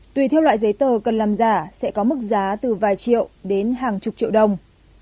tùy theo loại giấy tờ cần làm giả sẽ có mức giá từ vài triệu đến hàng chục triệu đồng